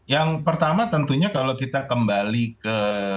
yang pertama tentunya kalau kita kembali ke